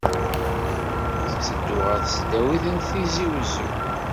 Netteddu ɣer Tesdawit n Tizi Wezzu.